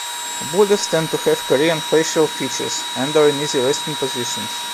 Buddhas tend to have Korean facial features, and are in easy resting positions.